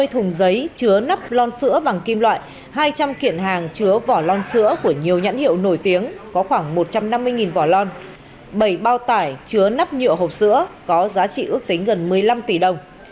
ba mươi thùng giấy chứa nắp lon sữa bằng kim loại hai trăm linh kiện hàng chứa vỏ lon sữa của nhiều nhãn hiệu nổi tiếng có khoảng một trăm năm mươi vỏ lon bảy bao tải chứa nắp nhựa hộp sữa có giá trị ước tính gần một mươi năm tỷ đồng